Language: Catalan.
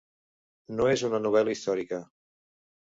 No és una novel·la històrica.